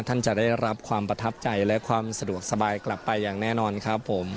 ท่านจะได้รับความประทับใจและความสะดวกสบายกลับไปอย่างแน่นอนครับผม